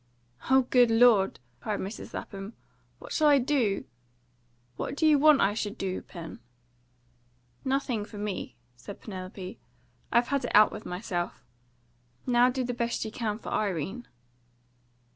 "O good Lord!" cried Mrs. Lapham. "What shall I do? What do you want I should do, Pen?" "Nothing for me," said Penelope. "I've had it out with myself. Now do the best you can for Irene."